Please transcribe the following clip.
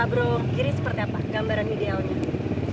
bro giri seperti apa gambaran idealnya